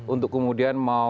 untuk kemudian mau memaksa